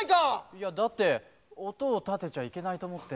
いやだっておとをたてちゃいけないとおもって。